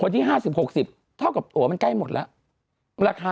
ที่ได้ถูกสาวที่มาทำ